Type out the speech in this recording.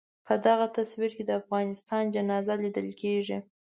په دغه تصویر کې د افغانستان جنازه لیدل کېږي.